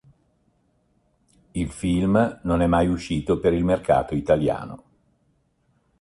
Il film non è mai uscito per il mercato italiano.